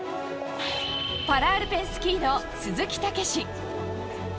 パラアルペンスキーの鈴木猛史。